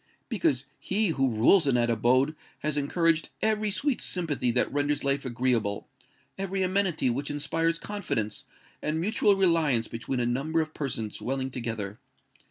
Because he who rules in that abode has encouraged every sweet sympathy that renders life agreeable—every amenity which inspires confidence and mutual reliance between a number of persons dwelling together.